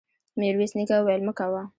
ميرويس نيکه وويل: مه کوه!